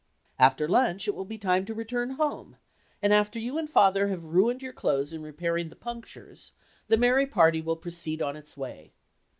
After lunch it will be time to return home, and after you and father have ruined your clothes in repairing the punctures, the merry party will proceed on its way.